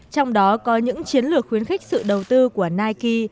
trong đó có những chiến lược khuyến khích sự đầu tư của nike